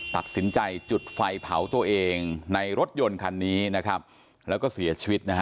ตัดสินใจจุดไฟเผาตัวเองในรถยนต์คันนี้นะครับแล้วก็เสียชีวิตนะฮะ